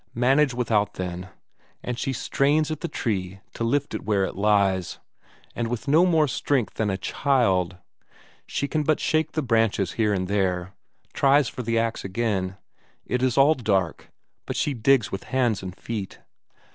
Manage without, then and she strains at the tree to lift it where it lies, but with no more strength than a child; she can but shake the branches here and there. Tries for the ax again it is all dark, but she digs with hands and feet.